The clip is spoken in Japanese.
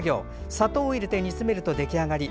砂糖を入れて煮詰めると出来上がり。